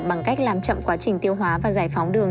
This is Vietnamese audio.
bằng cách làm chậm quá trình tiêu hóa và giải phóng đường